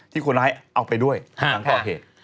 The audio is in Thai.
ที่คนร้ายเอาไปด้วยทั้งข้อเหตุ